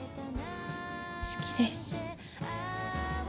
好きです。